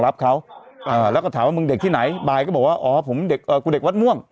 แล้วก็ถามว่ามึงเด็กที่ไหนปรากฏว่าผมเด็กวัดม่วง